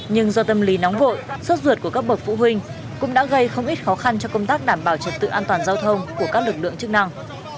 nhưng do tâm lý nóng vội sốt ruột của các bậc phụ huynh cũng đã gây không ít khó khăn cho công tác đảm bảo trật tự an toàn giao thông của các lực lượng chức năng